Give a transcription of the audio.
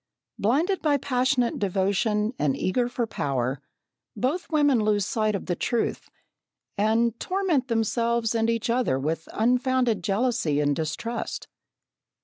Blinded by passionate devotion and eager for power, both women lose sight of the truth, and torment themselves and each other with unfounded jealousy and distrust.